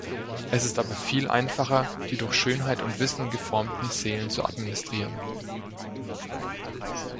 Es ist aber viel einfacher, die durch Schönheit und Wissen geformten Seelen zu administrieren.